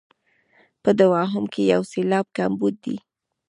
په دوهم کې یو سېلاب کمبود دی.